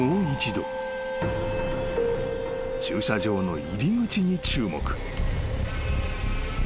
［駐車場の入り口に注目］